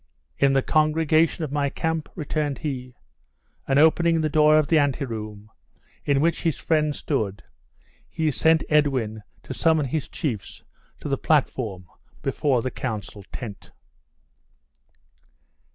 "In the congregation of my camp?" returned he; and opening the door of the ante room, in which his friends stood, he sent Edwin to summon his chiefs to the platform before the council tent.